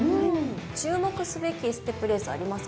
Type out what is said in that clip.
注目すべきステップレースありますか？